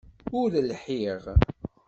Ur lhiɣ.